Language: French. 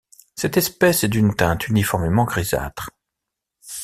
Cette espèce est d'une teinte uniformément grisâtre.